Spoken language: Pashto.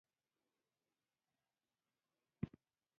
درناوی د انسان د شخصیت لوړوالي یوه نښه ده.